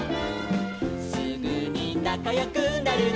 「すぐになかよくなるの」